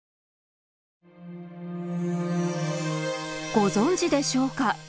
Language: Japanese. ご存じでしょうか。